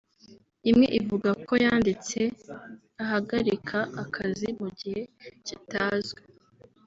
imwe ivuga ko yanditse ahagarika akazi mu gihe kitazwi